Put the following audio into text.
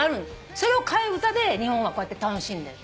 それを替え歌で日本はこうやって楽しんでる。